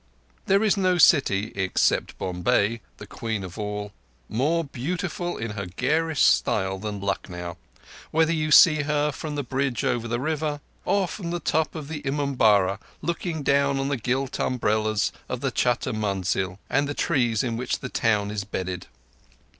There is no city—except Bombay, the queen of all—more beautiful in her garish style than Lucknow, whether you see her from the bridge over the river, or from the top of the Imambara looking down on the gilt umbrellas of the Chutter Munzil, and the trees in which the town is bedded.